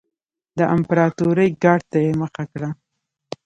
د امپراتورۍ ګارډ ته یې مخه کړه